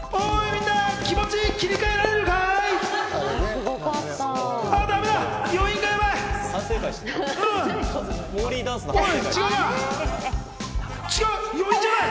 みんな、気持ち切り替えられるかい？